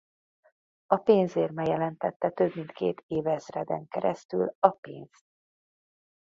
A pénzérme jelentette több mint két évezreden keresztül a pénzt.